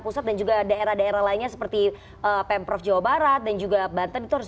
pusat dan juga daerah daerah lainnya seperti pemprov jawa barat dan juga banten itu harus